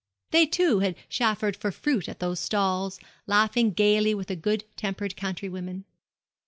They two had chaffered for fruit at those stalls, laughing gaily with the good tempered countrywomen.